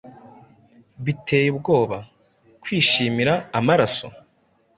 Biteye ubwoba! kwishimira amaraso